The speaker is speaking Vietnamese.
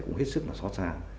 cũng hết sức là xót xa